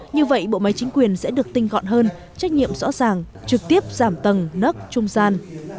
như vậy bộ máy chính quyền sẽ được tinh gọn hơn trách nhiệm rõ ràng trực tiếp giảm tầng nớt trung gian